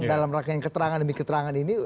dalam rangkaian keterangan demi keterangan ini